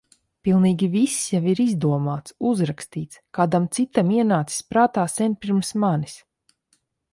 Pilnīgi viss jau ir izdomāts, uzrakstīts, kādam citam ienācis prātā sen pirms manis.